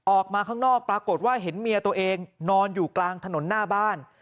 ออกมาข้างนอกปรากฏว่าเห็นเมียตัวเองนอนอยู่กลางถนนหน้าบ้าน